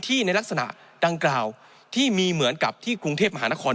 ในลักษณะดังกล่าวที่มีเหมือนกับที่กรุงเทพมหานคร